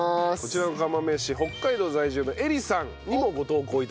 こちらの釜飯北海道在住のえりさんにもご投稿頂きました。